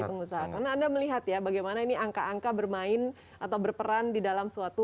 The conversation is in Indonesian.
pengusaha karena anda melihat ya bagaimana ini angka angka bermain atau berperan di dalam suatu